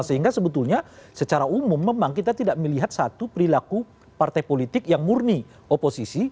sehingga sebetulnya secara umum memang kita tidak melihat satu perilaku partai politik yang murni oposisi